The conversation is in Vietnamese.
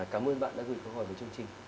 cảm ơn bạn đã gửi câu hỏi với chương trình